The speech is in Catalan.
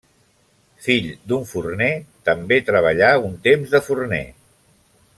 Fill d'un forner, també treballà un temps de forner.